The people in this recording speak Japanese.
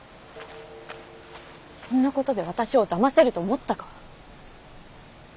そんなことで私をだませると思ったか。